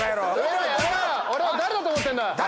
俺を誰だと思ってんだ！